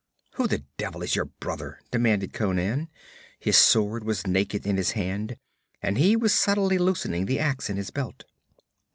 'Who the devil is your brother?' demanded Conan. His sword was naked in his hand, and he was subtly loosening the ax in his belt.